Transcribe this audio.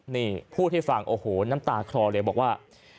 นี่พูดให้ฟังโอ้โหน้ำตาคลอเลยบอกว่า